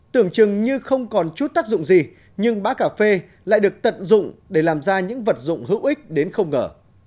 tưởng chừng như không còn chút tác dụng gì nhưng bã cà phê lại được tận dụng để làm ra những vật dụng hữu ích đến không ngờ